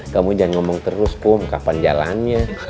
kamu jangan ngomong terus pum kapan jalannya